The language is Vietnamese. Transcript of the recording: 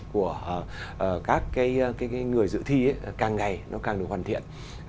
của các người dự thi càng ngày nó càng được hoàn thiện